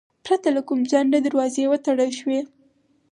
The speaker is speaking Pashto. پرته له کوم ځنډه دروازې وتړل شوې.